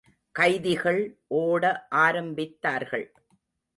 கைதிகள் ஓட ஆரம்பித்தார்கள்.